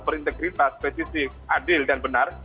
berintegritas spesifik adil dan benar